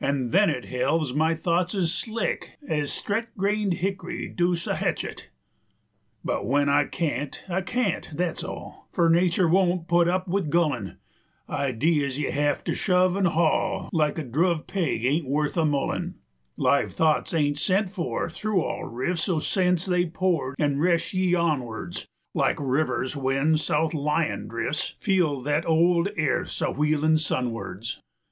30 An' then it helves my thoughts ez slick Ez stret grained hickory doos a hetchet. But when I can't, I can't, thet's all, For Natur' won't put up with gullin'; Idees you hev to shove an' haul 35 Like a druv pig ain't wuth a mullein: Live thoughts ain't sent for; thru all rifts O' sense they pour an' resh ye onwards, Like rivers when south lyin' drifts Feel thet th' old airth's a wheelin' sunwards.